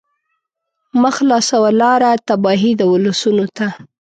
مه خلاصوه لاره تباهۍ د ولسونو ته